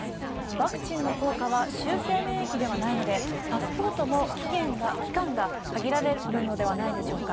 ワクチンの効果は終生免疫じゃないのでパスポートも期間が限られるのではないでしょうか？